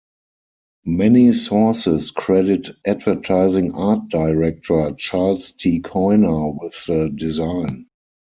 Many sources credit advertising art director Charles T. Coiner with the design.